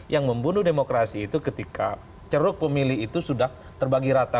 yang membunuh demokrasi itu ketika ceruk pemilih itu sudah terbagi rata